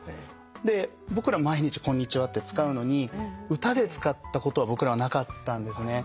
で僕ら毎日こんにちはって使うのに歌で使ったことは僕らはなかったんですね。